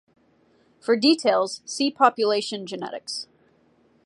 For details, see population genetics.